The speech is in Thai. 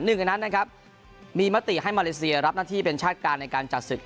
หนึ่งในนั้นนะครับมีมติให้มาเลเซียรับหน้าที่เป็นชาติการในการจัดศึก